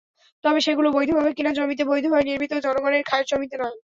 তবে সেগুলো বৈধভাবে কেনা জমিতে বৈধভাবে নির্মিত, জনগণের খাস জমিতে নয়।